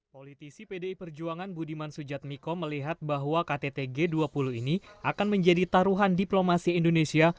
politisi pdi perjuangan budiman sujatmiko melihat bahwa ktt g dua puluh ini akan menjadi taruhan diplomasi indonesia